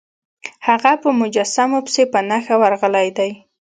هغه په مجسمو پسې په نښه ورغلی دی.